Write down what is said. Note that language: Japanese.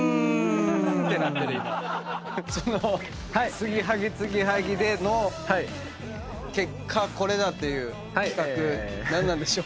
継ぎはぎ継ぎはぎでの結果これだという企画何なんでしょう？